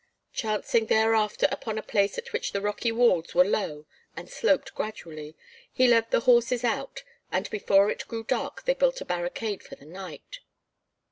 Chancing thereafter upon a place at which the rocky walls were low and sloped gradually, he led the horses out, and before it grew dark they built a barricade for the night.